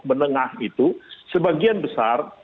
menengah itu sebagian besar